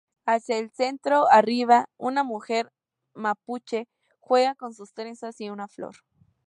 Hacia el centro, arriba, una mujer mapuche juega con sus trenzas y una flor.